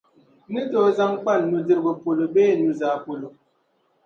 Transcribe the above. n-ni tooi zaŋ kpa n nudirigu polo bee n nuzaa polo.